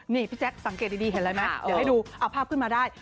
นี่พี่แจ๊คสังเกตดีเห็นไหมเอาภาพขึ้นมาได้